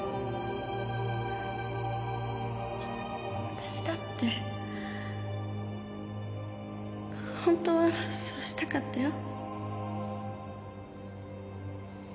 私だって本当はそうしたかったよ。